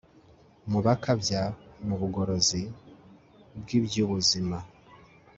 mu bakabya mu bugorozi bwibyubuzima